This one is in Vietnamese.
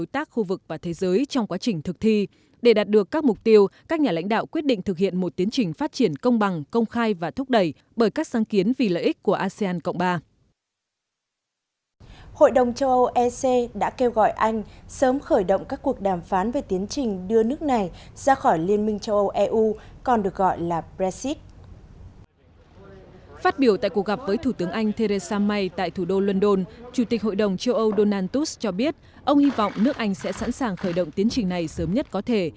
trước biểu tại cuộc gặp với thủ tướng anh theresa may tại thủ đô london chủ tịch hội đồng châu âu donald tusk cho biết ông hy vọng nước anh sẽ sẵn sàng khởi động tiến trình này sớm nhất có thể